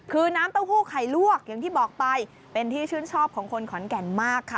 คือน้ำเต้าหู้ไข่ลวกอย่างที่บอกไปเป็นที่ชื่นชอบของคนขอนแก่นมากค่ะ